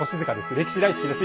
歴史大好きです。